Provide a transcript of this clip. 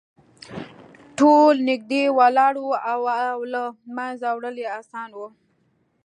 ټول نږدې ولاړ وو او له منځه وړل یې اسانه وو